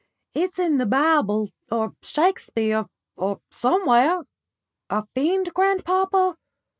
It's in the Bible, or Shakespeare, or somewhere." "A fiend, grandpapa!"